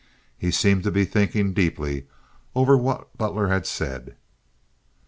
He seemed to be thinking deeply over what Butler had said.